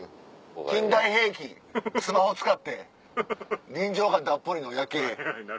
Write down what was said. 近代兵器スマホ使って臨場感たっぷりの夜景。